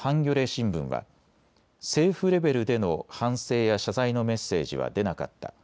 新聞は政府レベルでの反省や謝罪のメッセージは出なかった。